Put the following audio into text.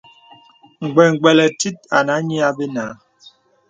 Gbə̀gbə̀lə̀ tìt ànə a nyì abə nà.